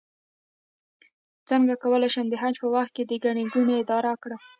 څنګه کولی شم د حج په وخت کې د ګڼې ګوڼې اداره کړم